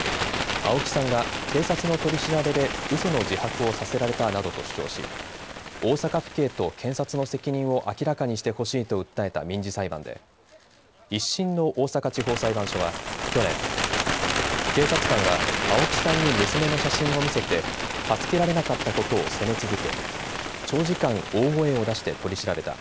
青木さんが警察の取り調べでうその自白をさせられたなどと主張し大阪府警と検察の責任を明らかにしてほしいと訴えた民事裁判で１審の大阪地方裁判所は去年、警察官は青木さんに娘の写真を見せて助けられなかったことを責め続け長時間、大声を出して取り調べた。